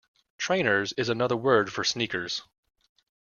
Trainers is another word for sneakers